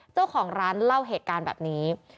เจ้าของร้านเล่าเหตุการณ์แบบนี้